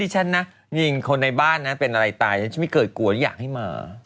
จริงในบ้านฉันคือเป็นอะไรตายฉันไม่เคยกลัวว่าอยากให้มา